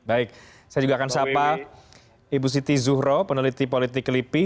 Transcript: baik saya juga akan sapa ibu siti zuhro peneliti politik lipi